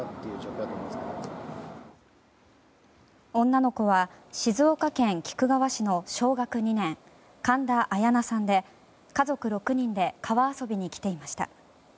女の子は静岡県菊川市の小学２年神田彩陽奈さんで、家族６人で川遊びに来ていました。